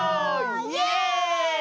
イエーイ！